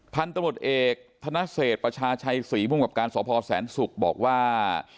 พันธมตเอกธนเศษประชาชัยศรีภูมิกับการสพแสนศุกร์บอกว่า